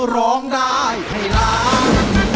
ร้องได้ไข่ราว